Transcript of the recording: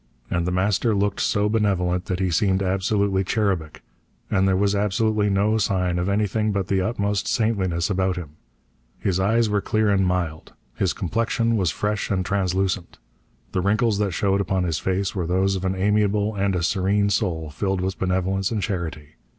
And The Master looked so benevolent that he seemed absolutely cherubic, and there was absolutely no sign of anything but the utmost saintliness about him. His eyes were clear and mild. His complexion was fresh and translucent. The wrinkles that showed upon his face were those of an amiable and a serene soul filled with benevolence and charity.